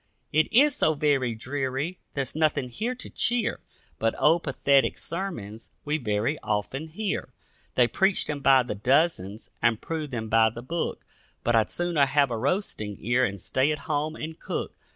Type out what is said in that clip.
It is so very dreary, there's nothing here to cheer, But old pathetic sermons we very often hear; They preach them by the dozens and prove them by the book, But I'd sooner have a roasting ear and stay at home and cook.